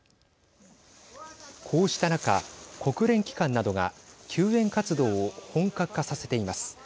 こうした中、国連機関などが救援活動を本格化させています。